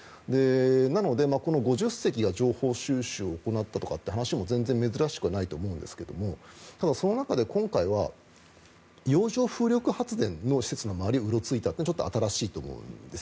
なので、５０隻が情報収集を行ったという話も全然珍しくはないと思うんですがただ、その中で今回は洋上風力発電の施設の周りをうろついたというのはちょっと新しいと思うんです。